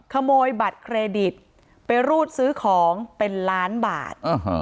ขโมยบัตรเครดิตไปรูดซื้อของเป็นล้านบาท